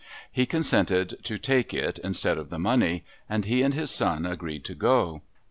He consented to take it instead of the money, and he and his son agreed to go.